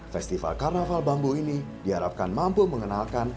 festival karnaval bambu ini diharapkan mampu mengenalkan